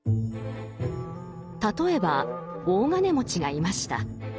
例えば大金持ちがいました。